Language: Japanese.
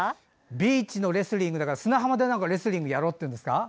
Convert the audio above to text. ビーチのレスリングだから砂浜でレスリングやろうっていうんですか。